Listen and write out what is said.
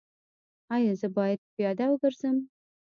ایا زه باید پیاده وګرځم؟